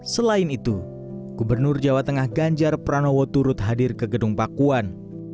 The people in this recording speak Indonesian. selain itu gubernur jawa tengah ganjar pranowo turut hadir ke gedung pakuan